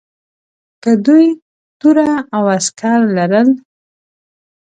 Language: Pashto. که دوی توره او عسکر لرل.